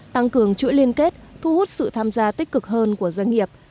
tăng cường chuỗi liên kết thu hút sự tham gia tích cực hơn của doanh nghiệp